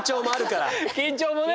緊張もね！